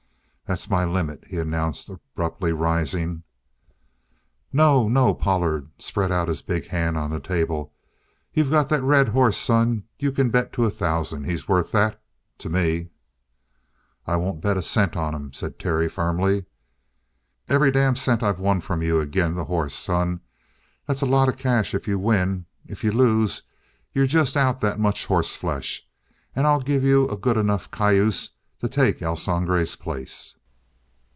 "That's my limit," he announced abruptly, rising. "No, no!" Pollard spread out his big hand on the table. "You got the red hoss, son. You can bet to a thousand. He's worth that to me!" "I won't bet a cent on him," said Terry firmly. "Every damn cent I've won from you ag'in' the hoss, son. That's a lot of cash if you win. If you lose, you're just out that much hossflesh, and I'll give you a good enough cayuse to take El Sangre's place."